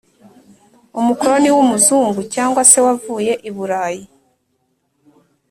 umukoroni w’umuzungu cyangwa se wavuye i burayi.